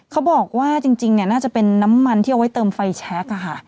เขาบอกว่าจริงจริงเนี้ยน่าจะเป็นน้ำมันที่เอาไว้เติมไฟแชคอ่ะค่ะ